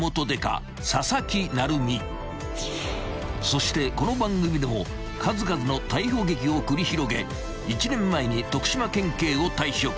［そしてこの番組でも数々の逮捕劇を繰り広げ１年前に徳島県警を退職］